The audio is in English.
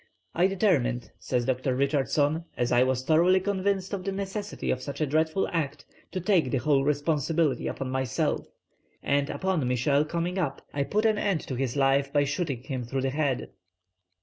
'I determined,' says Dr. Richardson, 'as I was thoroughly convinced of the necessity of such a dreadful act, to take the whole responsibility upon myself; and, upon Michel coming up, I put an end to his life by shooting him through the head!'"